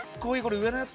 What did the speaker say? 上のやつ